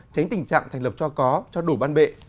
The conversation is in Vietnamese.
tránh tình trạng thành lập cho có cho đủ ban bệ